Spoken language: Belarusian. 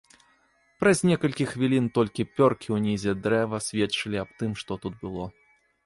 Праз некалькі хвілін толькі пёркі ў нізе дрэва сведчылі аб тым, што тут было.